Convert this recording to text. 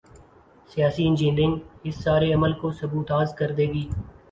'سیاسی انجینئرنگ‘ اس سارے عمل کو سبوتاژ کر دے گی۔